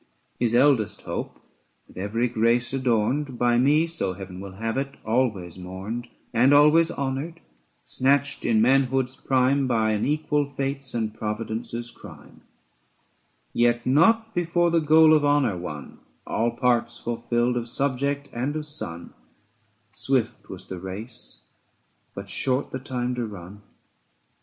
830 His eldest hope, with every grace adorned, By me, so Heaven will have it, always mourned And always honoured, snatched in manhood's prime By unequal fates and Providence's crime : Yet not before the goal of honour won, 835 All parts fulfilled of subject and of son ; Swift was the race, but short the time to run.